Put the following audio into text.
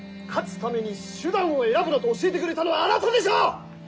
勝つために手段を選ぶなと教えてくれたのはあなたでしょう。